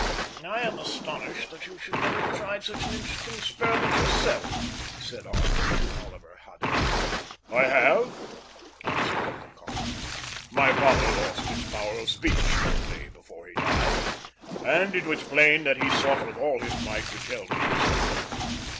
"I am astonished that you should never have tried such an interesting experiment yourself," said Arthur to Oliver Haddo. "I have," answered the other calmly. "My father lost his power of speech shortly before he died, and it was plain that he sought with all his might to tell me something.